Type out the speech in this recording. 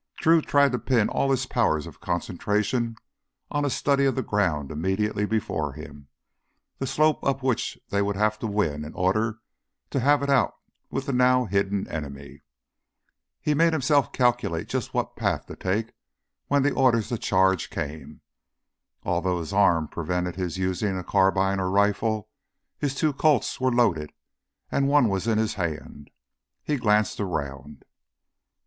Drew tried to pin all his powers of concentration on a study of the ground immediately before him, the slope up which they would have to win in order to have it out with the now hidden enemy. He made himself calculate just which path to take when the orders to charge came. Although his arm prevented his using a carbine or rifle, his two Colts were loaded, and one was in his hand. He glanced around.